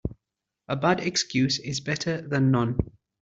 A bad excuse is better then none.